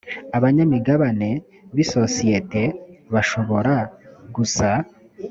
abanyamigabane b isosiyete bashobora gusa